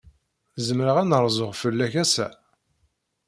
Zemreɣ ad n-rzuɣ fell-ak ass-a?